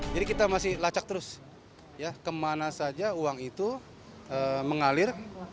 jadi kita masih lacak terus kemana saja uang itu mengalir